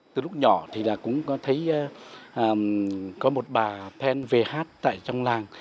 từ lúc nhỏ thì là cũng có thấy có một bà pen về hát tại trong làng